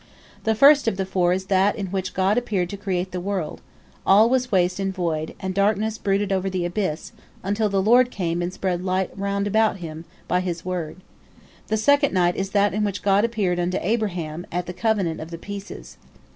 The first of the four is that in which God appeared to create the world; all was waste and void, and darkness brooded over the abyss, until the Lord came and spread light round about by His word. The second night is that in which God appeared unto Abraham at the covenant of the pieces.